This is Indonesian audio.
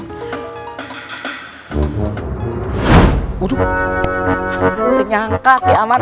tidak bisa kiaman